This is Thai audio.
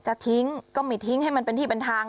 จะทิ้งก็มีทิ้งให้มันเป็นที่เป็นทาง